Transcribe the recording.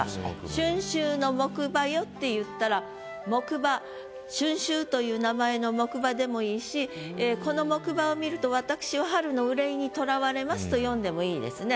「春愁の木馬よ」っていったら木馬春愁という名前の木馬でもいいしこの木馬を見ると私は春の愁いにとらわれますと詠んでもいいですね。